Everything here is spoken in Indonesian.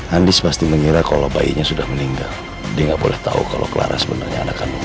andis pasti mengira kalau bayinya sudah meninggal dia nggak boleh tahu kalau clara sebenarnya anak anak